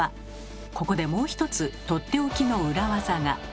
ここでもう一つとっておきの裏技が。